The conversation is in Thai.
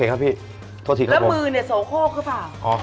แล้วก็มือเนี่ยสัลค้าว